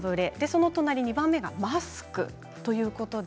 その隣、２番目がマスクです。